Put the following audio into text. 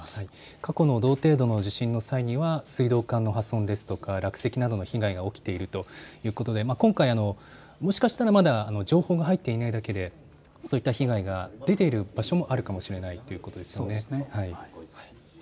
過去の同程度の地震の際には水道管の破損、落石などの被害が起きているということで今回もまだ情報が入っていないだけでそういった被害が出ている場所もあるかもしれないということですね。